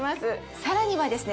さらにはですね